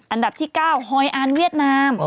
อันดับที่๙ฮอยอันเวียดนาม